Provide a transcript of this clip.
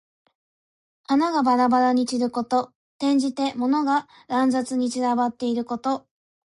花がばらばらに散ること。転じて、物が乱雑に散らばっていること。